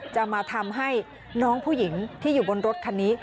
จะมาทำให้น้องผู้หญิงที่อยู่บนรถคันนี้